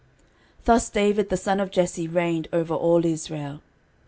13:029:026 Thus David the son of Jesse reigned over all Israel.